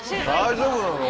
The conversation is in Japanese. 大丈夫なの？